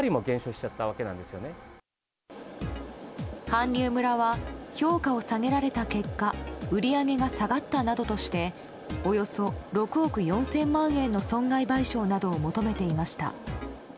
韓流村は評価を下げられた結果売り上げが下がったなどとしておよそ６億４０００万円の損害賠償などを求めていました。